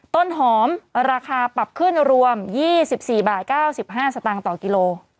ต้นหอมราคาปรับขึ้นรวม๒๔บาท๙๕สตางค์ต่อกิโล